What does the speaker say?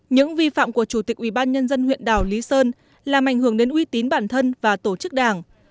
những vi phạm của chủ tịch ubnd huyện đảo lý sơn làm ảnh hưởng đến uy tín bản thân và tổ chức đảng